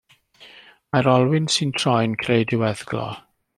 Mae'r olwyn sy'n troi'n creu diweddglo.